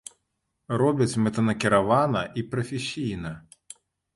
Робяць мэтанакіравана і прафесійна.